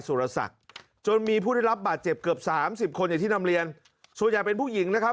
สุรศักดิ์จนมีผู้ได้รับบาดเจ็บเกือบสามสิบคนอย่างที่นำเรียนส่วนใหญ่เป็นผู้หญิงนะครับ